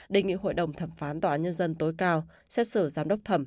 đề nghị hội đồng thẩm phán tòa án nhân dân tối cao xét xử giám đốc thẩm